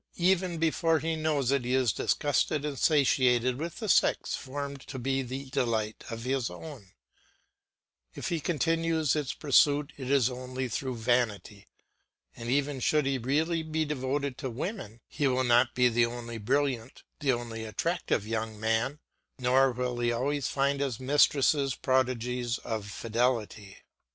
Even before he knows it he is disgusted and satiated with the sex formed to be the delight of his own; if he continues its pursuit it is only through vanity, and even should he really be devoted to women, he will not be the only brilliant, the only attractive young man, nor will he always find his mistresses prodigies of fidelity.